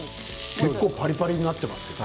結構パリパリになってますよ。